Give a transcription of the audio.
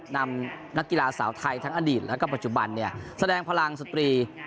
นำนักกีฬาสาวไทยทั้งอดีตแล้วก็ปัจจุบันแสดงพลังสตรี